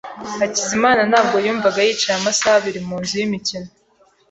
Hakizimana ntabwo yumvaga yicaye amasaha abiri mu nzu yimikino.